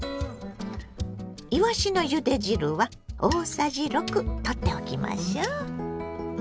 いわしのゆで汁は大さじ６とっておきましょう。